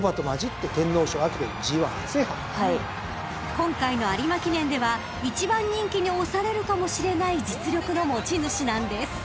［今回の有馬記念では１番人気に推されるかもしれない実力の持ち主なんです］